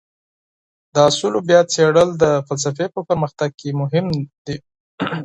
د اصولو بیا څېړل د فلسفې په پرمختګ کي مهم دي.